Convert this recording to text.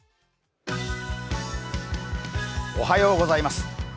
おはようございます。